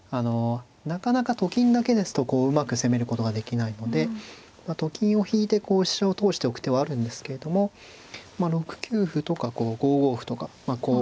なかなかと金だけですとうまく攻めることができないのでと金を引いてこう飛車を通しておく手はあるんですけれどもまあ６九歩とか５五歩とかこう。